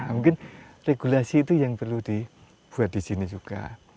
mungkin regulasi itu yang perlu dibuat di sini juga